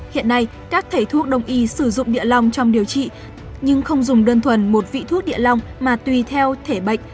hiện nay các thầy thuốc đông y sử dụng địa long trong điều trị nhưng không dùng đơn thuần một vị thuốc địa long mà tùy theo thể bệnh